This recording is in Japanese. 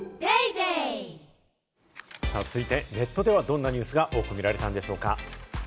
続いてネットではどんなニュースが多く見られたんでしょうか。